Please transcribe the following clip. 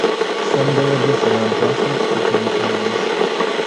Some villages around Brussels became towns.